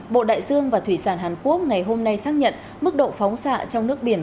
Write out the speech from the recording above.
bộ đại dương và thủy sản hàn quốc ngày hôm nay xác nhận mức độ phóng xạ trong nước biển